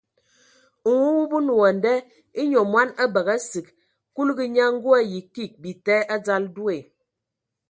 Nwumub o nə wa a nda : e nyɔ mɔn a bəgə asig! Kuligi nye ngə o ayi kig bita a dzal do.